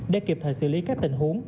để kịp thời xử lý các tình huống